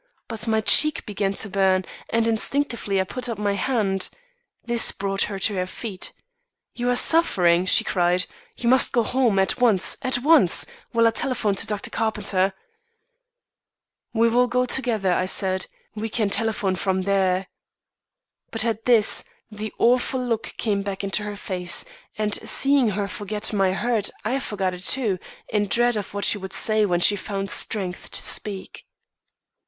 But my cheek began to burn, and instinctively I put up my hand. This brought her to her feet. 'You are suffering,' she cried. 'You must go home, at once, at once, while I telephone to Dr. Carpenter,' 'We will go together,' I said. 'We can telephone from there.' But at this, the awful look came back into her face, and seeing her forget my hurt, I forgot it, too, in dread of what she would say when she found strength to speak.